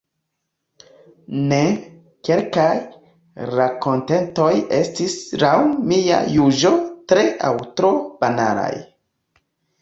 Ne, kelkaj rakontetoj estis laŭ mia juĝo tre aŭ tro banalaj.